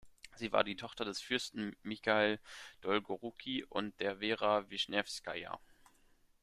Sie war die Tochter des Fürsten "Michail Dolgoruki" und der "Wera Wischnewskaja".